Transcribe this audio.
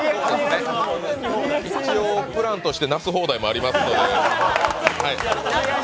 一応プランとしてナス・ホーダイもありますので。